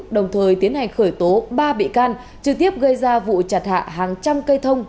đồng thời tiến hành khởi tố ba bị can trực tiếp gây ra vụ chặt hạ hàng trăm cây thông